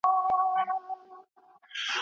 د ليلامۍ شرکتونه هم تر پوښتنې لاندې راغلل.